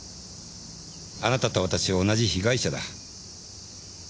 あなたと私は同じ被害者だ。